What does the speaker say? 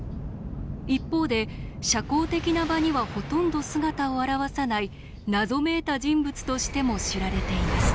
一方で社交的な場にはほとんど姿を現さない謎めいた人物としても知られています。